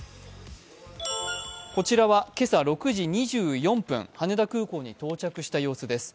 こちらは今朝６時２４分、羽田空港に到着した様子です。